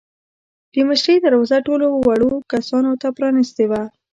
د مشرۍ دروازه ټولو وړو کسانو ته پرانیستې وه.